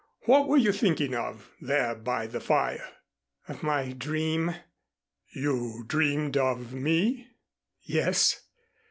What were you thinking of, there by the fire?" "Of my dream." "You dreamed of me?" "Yes.